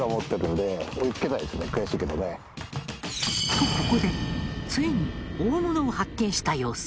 とここでついに大物を発見した様子。